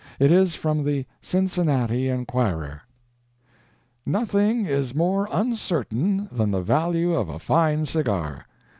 It is from the Cincinnati Enquirer: Nothing is more uncertain than the value of a fine cigar.